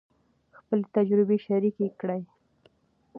خپلې تجربې شریکې کړئ.